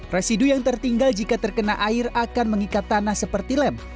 residu yang tertinggal jika terkena air akan mengikat tanah seperti lem